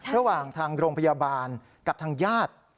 ระหว่างทางโรงพยาบาลกับทางญาติ